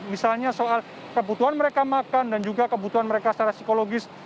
misalnya soal kebutuhan mereka makan dan juga kebutuhan mereka secara psikologis